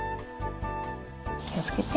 気をつけて。